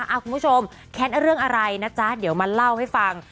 คุณผู้ชมแค้นเรื่องอะไรนะจ๊ะเดี๋ยวมาเล่าให้ฟัง